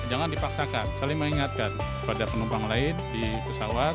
jangan dipaksakan saling mengingatkan pada penumpang lain di pesawat